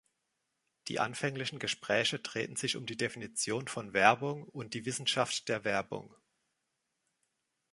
Die anfänglichen Gespräche drehten sich um die Definition von Werbung und die Wissenschaft der Werbung.